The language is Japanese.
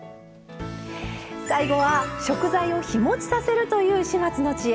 最後は食材を「日もち」させるという始末の知恵。